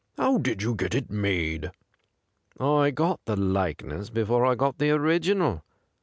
How did you get it made ?'' I got the likeness before I got the original.